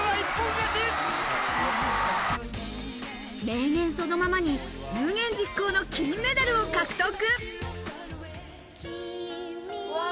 名言そのままに有言実行の金メダルを獲得。